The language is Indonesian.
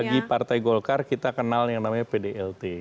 bagi partai golkar kita kenal yang namanya pdlt